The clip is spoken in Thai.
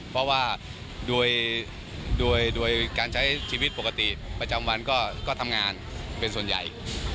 เพราะว่าโดยการใช้ชีวิตปกติประจำวันก็ทำงานเป็นส่วนใหญ่